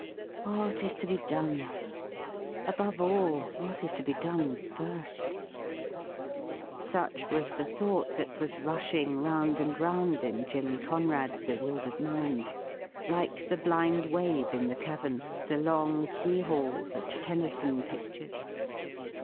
' What is to be done — above all, what is to be done first ?' Such was the thought that was rushing round and round in Jim Conrad's bewildered mind, like the blind wave in the cavern, the long sea hall, which Tennyson pictured.